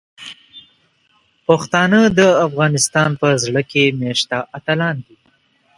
پښتانه د افغانستان په زړه کې میشته اتلان دي.